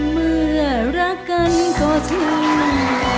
เมื่อรักกันก็ช่าง